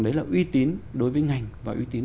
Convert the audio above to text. đấy là uy tín đối với ngành và uy tín